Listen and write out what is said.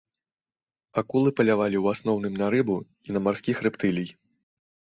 Акулы палявалі ў асноўным на рыбу і на марскіх рэптылій.